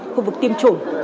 khu vực tiêm chủng